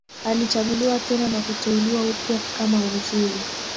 Alichaguliwa tena na kuteuliwa upya kama waziri